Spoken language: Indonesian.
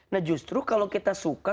nah justru kalau kita suka